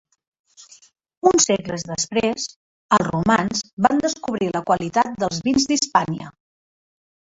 Uns segles després, els romans van descobrir la qualitat dels vins d'Hispània.